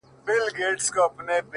یو ډارونکی ـ ورانونکی شی خو هم نه دی ـ